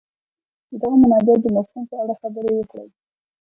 د دغه مناجات د مفهوم په اړه خبرې وکړي.